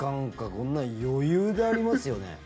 こんなの余裕でありますよね。